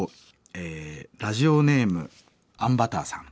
えラジオネームあんバターさん。